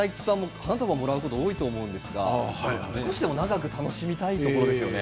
花束をもらうこと多いと思うんですが少しでも長く楽しみたいと思いますよね。